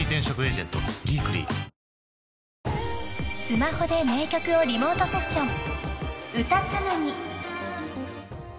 ［スマホで名曲をリモートセッション］